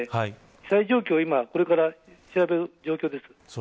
被害状況をこれから調べる状態です。